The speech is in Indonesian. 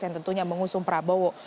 yang tentunya mengusung prabowo